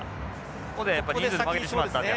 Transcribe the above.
ここでやっぱ人数で負けてしまったので。